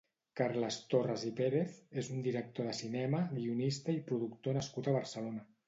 Carles Torras i Pérez és un director de cinema, guionista i productor nascut a Barcelona.